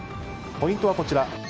ポイントはこちら。